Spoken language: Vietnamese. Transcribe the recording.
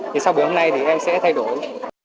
thì sau buổi hôm nay thì em sẽ thay đổi